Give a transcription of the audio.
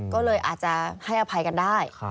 ก็เลยอาจจะให้อภัยกันได้